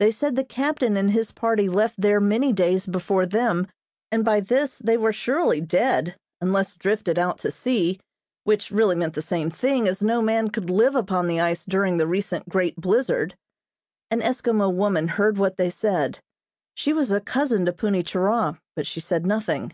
They said the captain and his party left there many days before them, and by this they were surely dead, unless drifted out to sea, which really meant the same thing, as no man could live upon the ice during the recent great blizzard. An Eskimo woman heard what they said. She was a cousin to Punni Churah, but she said nothing.